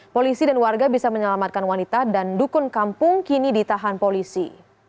polisi dan warga bisa menyelamatkan wanita dan dukun kampung kini ditahan polisi